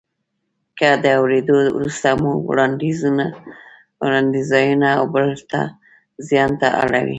که د اورېدو وروسته مو وړانديز ځانته او بل ته زیان نه اړوي.